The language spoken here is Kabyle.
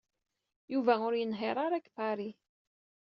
Yuba ur yenhiṛ ara deg Paris.